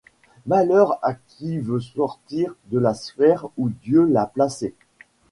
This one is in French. Malheur à qui veut sortir de la sphère où Dieu l'a placé.